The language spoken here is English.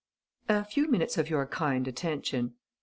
"A few minutes of your kind attention."